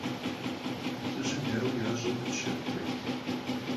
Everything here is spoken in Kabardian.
Лӏыжьым, дауи, ящӀэ хъунщ щэху куэд!